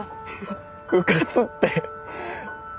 うかつって。